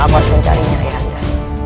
apa yang akan kucari ayahanda